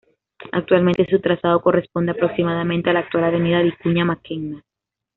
Actualmente su trazado corresponde aproximadamente a la actual avenida Vicuña Mackenna.